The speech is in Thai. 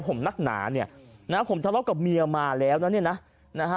ผมนักหนาเนี่ยนะผมทะเลาะกับเมียมาแล้วนะเนี่ยนะนะฮะ